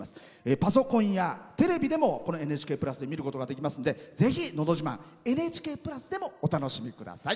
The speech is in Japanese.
パソコンやテレビでも「ＮＨＫプラス」を見ることができますのでぜひ「のど自慢」「ＮＨＫプラス」でもお楽しみください。